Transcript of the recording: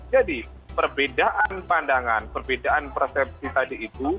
jadi perbedaan pandangan perbedaan persepsi tadi itu